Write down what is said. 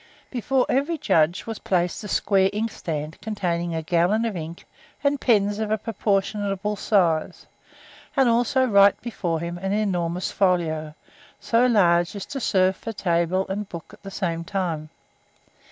Before every judge was placed a square inkstand, containing a gallon of ink, and pens of a proportionable size; and also right before him an enormous folio, so large as to serve for table and book at the same time.